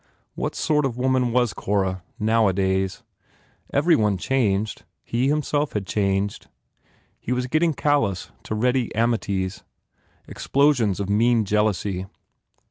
What sort of woman was Cora, nowadays? Every one changed. He, himself, had changed. He was getting callous to ready amities, explosions of mean jealousy.